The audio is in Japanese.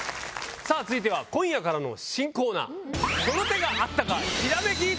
さぁ続いては今夜からの新コーナー。